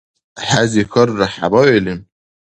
ХӀези хьарра хӀебаили?